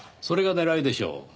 それが狙いでしょう。